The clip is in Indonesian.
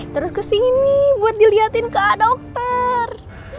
terus ke sini buat diliatin ke dokter